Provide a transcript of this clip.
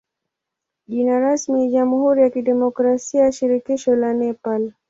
Jina rasmi ni jamhuri ya kidemokrasia ya shirikisho la Nepal.